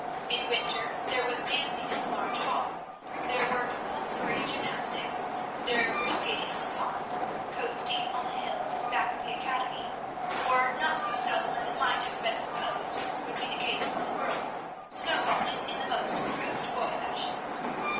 In winter there was dancing in the large hall, there were compulsory gymnastics, there were skating on the pond, coasting on the hills back of the academy, or, not so seldom as it might have been supposed would be the case among girls, snowballing in the most approved boy fashion.